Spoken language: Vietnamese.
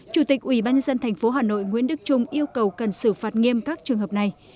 chủ tịch ubnd thành phố hà nội nguyễn đức trung yêu cầu cần xử phạt nghiêm các trường hợp này